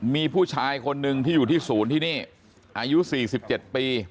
มีผู้ชายคนหนึ่งที่อยู่ที่ศูนย์ที่นี่อายุ๔๗ปี